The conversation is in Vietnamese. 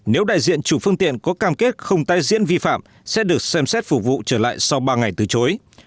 nếu đại diện chủ phương tiện có cam kết không tái diễn vi phạm sẽ được xem xét phục vụ trở lại sau ba ngày từ chối